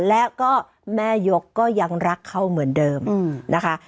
แล้วก็แม่ยกก็ยังรักเขาเหมือนเดิมนะคะ